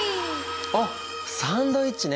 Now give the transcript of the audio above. あっサンドイッチね！